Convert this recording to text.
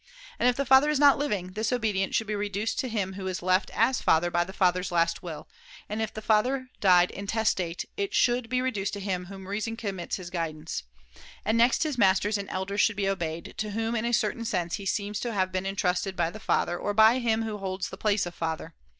And if the father is not living, this obedience should be reduced to him who is left as father by the father's last will ; and if the father die intestate it should be reduced to him to whom Reason commits his guidance. C^^' 'Il ^0^ next his masters and elders should be obeyed, to whom in a certain sense he seems to have been entrusted by the father or by him who holds the place of father.